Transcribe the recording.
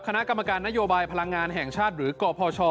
คณะกรรมการนโยบายพลังงานแห่งชาติหรือกพช